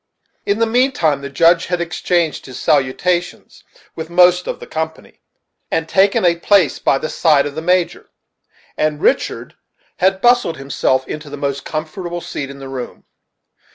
In the mean time the Judge had exchanged his salutations with most of the company, and taken a place by the side of the Major, and Richard had bustled himself into the most comfortable seat in the room.